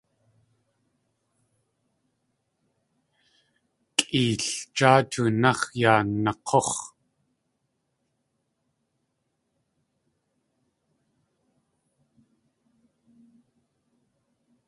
Kʼeeljáa tóonáx̲ yaa nak̲úx̲.